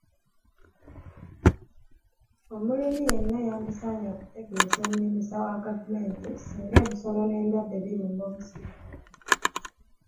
Omulimi yenna yandisaanye okutegeeza omulimisa wa gavumenti singa ebisolo n'endwadde birumba omusiri gwe.